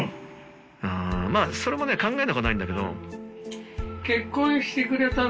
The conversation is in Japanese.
まあそれもね考えなくはないんだけど。